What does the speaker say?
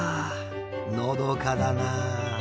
のどかだなあ！